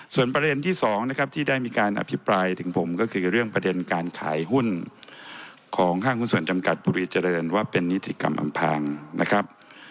ส่วนประเด็นที่สองนะครับที่ได้มีการอภิปรายถึงผมก็คือเรื่องประเด็นการขายหุ้นของห้างหุ้นส่วนจำกัดบุรีเจริญว่าเป็นนิติกรรมอำพางนะครับ